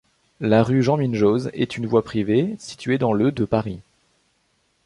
La rue Jean-Minjoz est une voie privée située dans le de Paris.